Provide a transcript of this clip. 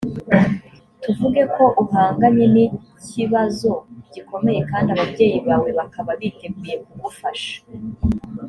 tuvuge ko uhanganye n ikibazo gikomeye kandi ababyeyi bawe bakaba biteguye kugufasha